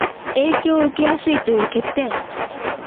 影響を受けやすいという欠点